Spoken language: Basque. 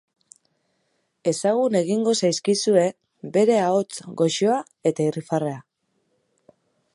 Ezagun egingo zaizkizue bere ahots goxoa eta irrifarrea.